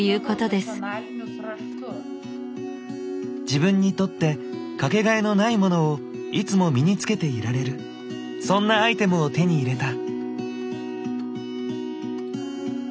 自分にとってかけがえのないものをいつも身に着けていられるそんなアイテムを手に入れた。